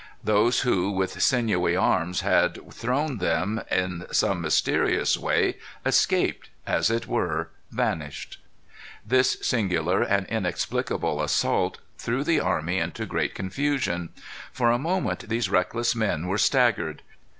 Those who, with sinewy arms, had thrown them, in some mysterious way escaped as it were, vanished. This singular and inexplicable assault threw the army into great confusion. For a moment, these reckless men were staggered.